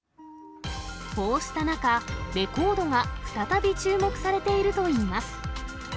こうした中、レコードが再び、注目されているといいます。